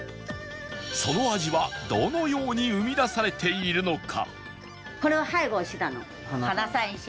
その味はどのように生み出されているのか？